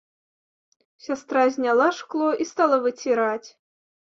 Сястра зняла шкло і стала выціраць.